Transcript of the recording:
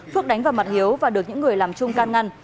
phước đánh vào mặt hiếu và được những người làm chung can ngăn